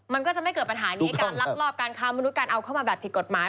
มันก็จะไม่เกิดปัญหานี้การลักลอบการค้ามนุษย์การเอาเข้ามาแบบผิดกฎหมาย